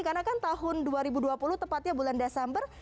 karena kan tahun dua ribu dua puluh tepatnya bulan desember